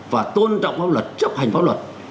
và tôn trọng pháp luật chấp hành pháp luật